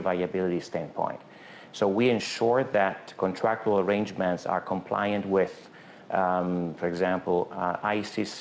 kami memastikan perjanjian kontrak tersebut berkelanjutan dengan peraturan icc